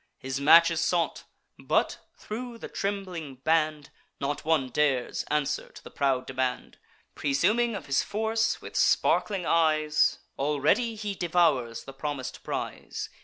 His match is sought; but, thro' the trembling band, Not one dares answer to the proud demand. Presuming of his force, with sparkling eyes Already he devours the promis'd prize.